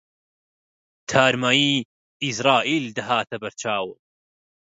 تارماییی عیزراییل دەهاتە بەر چاوم